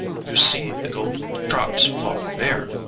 You see the golden drops falling there.